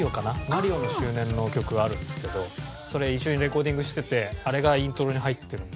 『マリオ』の周年の曲があるんですけどそれ一緒にレコーディングしててあれがイントロに入ってるんですけど。